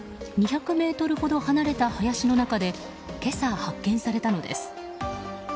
２００ｍほど離れた林の中で今朝、発見されたのです。